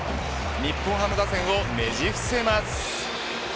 日本ハム打線をねじ伏せます。